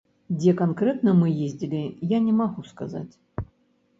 Дзе канкрэтна мы ездзілі, я не магу сказаць.